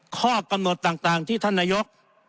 ข้อกำหนดต่างที่ท่านนายก